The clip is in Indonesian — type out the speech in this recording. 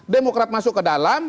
demokrat masuk ke dalam